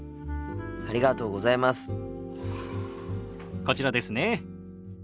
こちらですね。